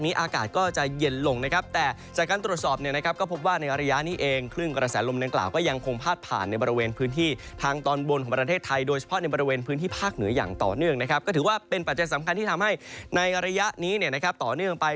นะครับการเป็นเกิดฝนในฝนพักเหนือง่อนืงนะครับก็ถือว่าเป็นปัจจุดสำคัญที่ทำให้ในระยะนี้นึงนะครับต่อเนื่องไป